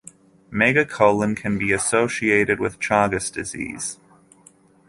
Megacolon can be associated with Chagas disease.